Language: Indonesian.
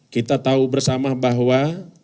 kita tahu bersama bahwa